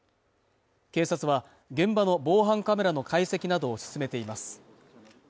警察は現場の防犯カメラの解析などを進めています